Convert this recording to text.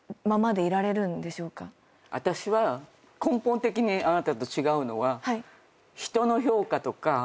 私は根本的にあなたと違うのは。